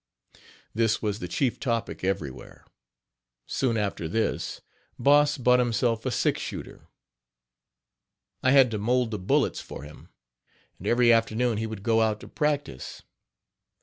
" This was the chief topic everywhere. Soon after this Boss bought himself a six shooter. I had to mould the bullets for him, and every afternoon he would go out to practice.